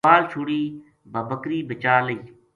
کھوال چھُڑی با بکری بچا لئی